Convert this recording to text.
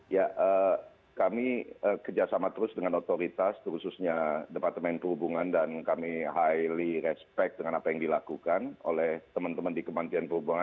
ya kami kerjasama terus dengan otoritas khususnya departemen perhubungan dan kami highly respect dengan apa yang dilakukan oleh teman teman di kementerian perhubungan